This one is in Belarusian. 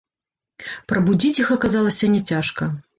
Прабудзіць іх аказалася няцяжка.